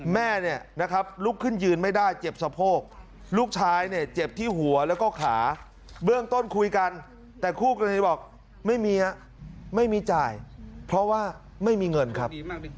แม่เนี่ยนะครับลุกขึ้นยืนไม่ได้เจ็บสะโพกลูกชายเนี่ยเจ็บที่หัวแล้วก็ขาเบื้องต้นคุยกันแต่คู่กรณีบอกไม่มีฮะไม่มีจ่ายเพราะว่าไม่มีเงินครับ